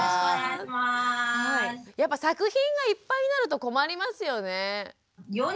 やっぱ作品がいっぱいになると困りますよね。